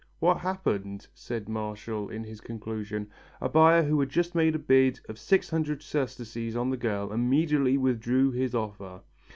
"What happened?" says Martial in conclusion. "A buyer who had just made a bid of 600 sesterces on the girl, immediately withdrew his offer."